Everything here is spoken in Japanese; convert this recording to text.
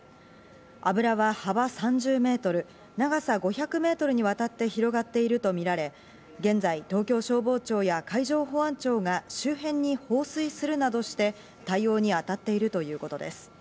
油は幅３０メートル、長さ５００メートルにわたって広がっているとみられ、現在、東京消防庁や海上保安庁が周辺に放水するなどして、対応にあたっているということです。